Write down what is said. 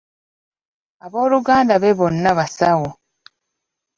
Abooluganda be bonna basawo.